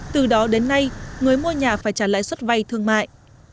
từ đó đến nay người mua nhà phải trả lãi suất vay thương mại